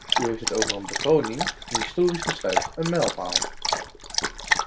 U heeft het over een bekroning, een historisch besluit, een mijlpaal!